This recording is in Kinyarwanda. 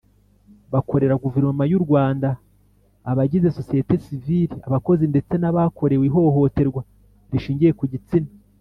Bakorera guverinoma y u rwanda abagize sosiyete sivili abakozi ndetse n abakorewe ihohoterwa rishingiye ku gitsina